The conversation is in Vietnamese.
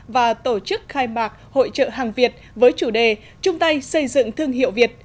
và tổ chức khai mạc hội trợ hàng việt với chủ đề trung tay xây dựng thương hiệu việt